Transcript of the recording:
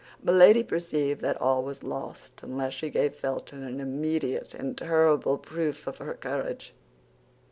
Milady perceived that all was lost unless she gave Felton an immediate and terrible proof of her courage.